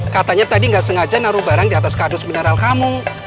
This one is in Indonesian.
katanya tadi nggak sengaja naruh barang di atas kardus mineral kamu